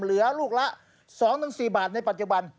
เหลือลูกละ๒๔บาทในปัจจุบัน